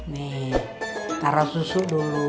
nih taruh susu dulu